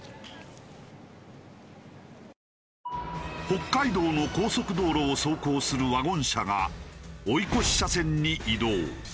北海道の高速道路を走行するワゴン車が追い越し車線に移動。